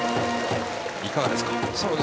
いかがですか？